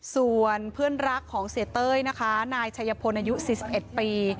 ส่วนเพื่อนรักของเสียเต้ยนะคะนายชัยพลอายุ๔๑ปี